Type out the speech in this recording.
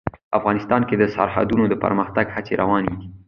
افغانستان کې د سرحدونه د پرمختګ هڅې روانې دي.